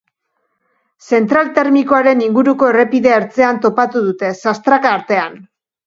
Zentral termikoaren inguruko errepide ertzean topatu dute, sastraka artean.